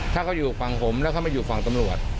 ถ้าเขาอยู่ฝั่งผม